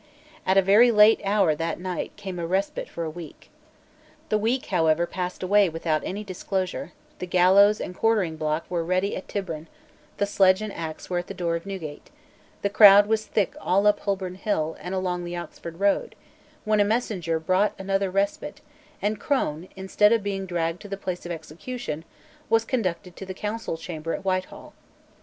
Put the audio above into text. At a very late hour that night came a respite for a week, The week however passed away without any disclosure; the gallows and quartering block were ready at Tyburn; the sledge and axe were at the door of Newgate; the crowd was thick all up Holborn Hill and along the Oxford Road; when a messenger brought another respite, and Crone, instead of being dragged to the place of execution, was conducted to the Council chamber at Whitehall.